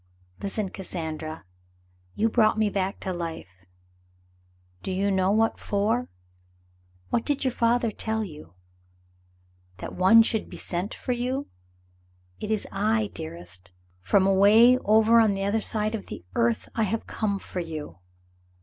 "Listen, Cassandra. You brought me back to life. Do you know what for ? What did your father tell you ? That one should be sent for you ? It is I, dearest. From away over on the other side of the earth, I have come for you.